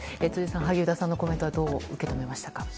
辻さん、萩生田さんのコメントはどう受け止めましたか。